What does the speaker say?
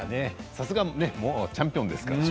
さすが元チャンピオンですからね。